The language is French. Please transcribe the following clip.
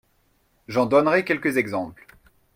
J’en donnerai quelques exemples.